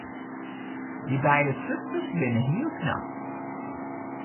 Dy beide susters binne hiel knap.